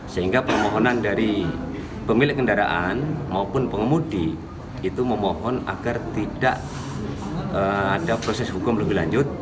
sehingga permohonan dari pemilik kendaraan maupun pengemudi itu memohon agar tidak ada proses hukum lebih lanjut